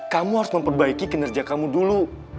kamu harus memperbaiki kinerja kamu dulu